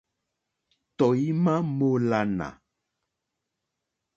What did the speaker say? Tɔ̀ímá mǃólánà.